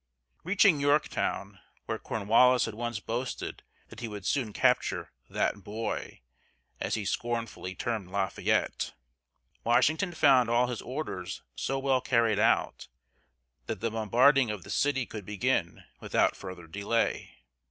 Reaching Yorktown, where Cornwallis had once boasted that he would soon capture "that boy," as he scornfully termed Lafayette, Washington found all his orders so well carried out that the bombarding of the city could begin without further delay.